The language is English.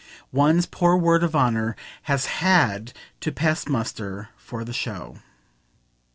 One's poor word of honour has HAD to pass muster for the show.